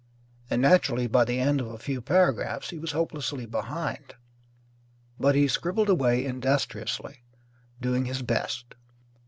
And naturally, by the end of a few paragraphs, he was hopelessly behind. But he scribbled away industriously, doing his best.